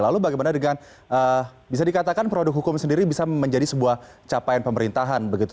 lalu bagaimana dengan bisa dikatakan produk hukum sendiri bisa menjadi sebuah capaian pemerintahan begitu